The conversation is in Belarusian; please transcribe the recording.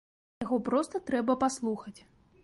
Яго проста трэба паслухаць.